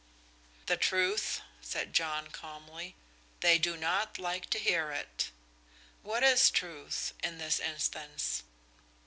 "The truth," said John, calmly. "They do not like to hear it." "What is truth in this instance?"